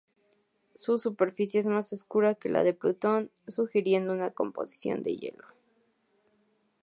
Su superficie es más oscura que la de Plutón, sugiriendo una composición de hielo.